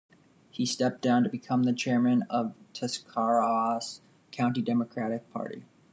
He stepped down to become the chairman of Tuscarawas County Democratic Party.